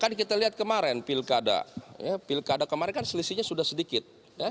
kan kita lihat kemarin pilkada pilkada kemarin kan selisihnya sudah sedikit